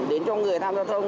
đến cho người tham gia thông